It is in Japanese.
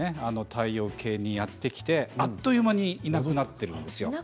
太陽系にやって来てあっという間にいなくなってるんですよ。